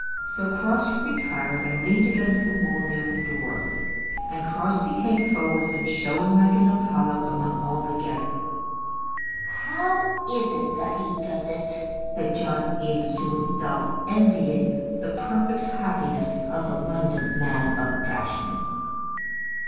So Crofts retired and leaned against the wall near the door; and Crosbie came forward and shone like an Apollo among all the guests. "How is it that he does it?" said John Eames to himself, envying the perfect happiness of the London man of fashion.